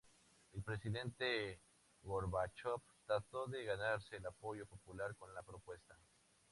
El presidente Gorbachov trató de ganarse el apoyo popular con la propuesta.